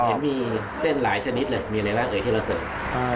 เห็นมีเส้นหลายชนิดเลยมีอะไรบ้างเอ่ยที่เราเสิร์ฟ